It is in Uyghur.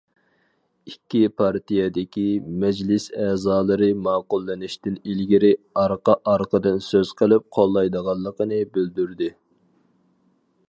ئىككى پارتىيەدىكى مەجلىس ئەزالىرى ماقۇللىنىشتىن ئىلگىرى ئارقا-ئارقىدىن سۆز قىلىپ قوللايدىغانلىقىنى بىلدۈردى.